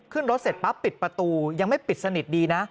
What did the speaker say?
ขึ้นรถเสร็จปั๊บปิดประตูยังไม่ปิดสนิทดีนะ